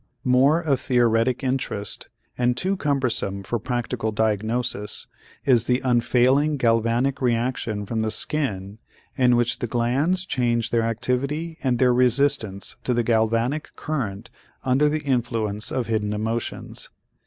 More of theoretic interest and too cumbersome for practical diagnosis is the unfailing galvanic reaction from the skin in which the glands change their activity and their resistance to the galvanic current under the influence of hidden emotions.